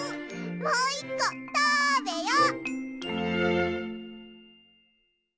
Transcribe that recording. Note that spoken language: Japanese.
もう１こたべよ！